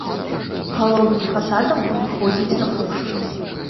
Галоўным фасадам выходзіць на плошчу.